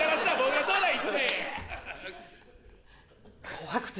怖くて。